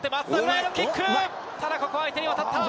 ここは相手に渡った。